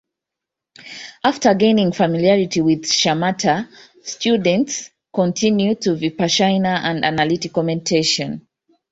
After gaining familiarity with shamatha, students continue to vipashyana and analytical meditation.